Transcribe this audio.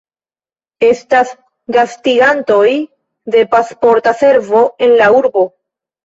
Estas gastiganto de Pasporta Servo en la urbo.